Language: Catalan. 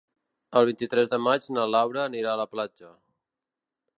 El vint-i-tres de maig na Laura anirà a la platja.